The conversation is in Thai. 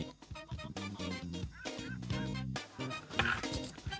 ผู้ให้ดับหลากเฌิดหน้ากลาง